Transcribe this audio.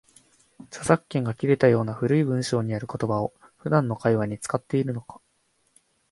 著作権が切れたような古い文章にある言葉を、普段の会話に使っているのか